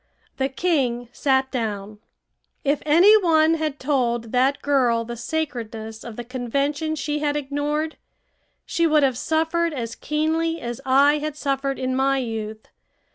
The king sat down. If any one had told that girl the sacredness of the convention she had ignored, she would have suffered as keenly as I had suffered in my youth.